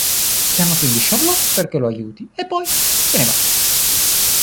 Chiama quindi Charlot perché lo aiuti, e poi se ne va.